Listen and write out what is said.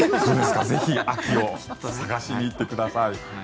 ぜひ秋を探しにいってください。